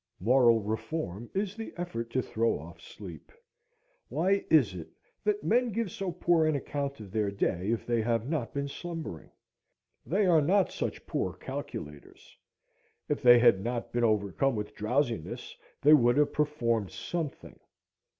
Moral reform is the effort to throw off sleep. Why is it that men give so poor an account of their day if they have not been slumbering? They are not such poor calculators. If they had not been overcome with drowsiness, they would have performed something.